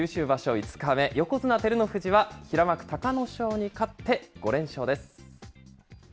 ５日目、横綱・照ノ富士は平幕・隆の勝に勝って５連勝です。